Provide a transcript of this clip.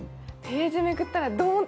ページめくったらドン！